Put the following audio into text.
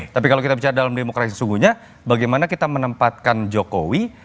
tapi kalau kita bicara dalam demokrasi sesungguhnya bagaimana kita menempatkan jokowi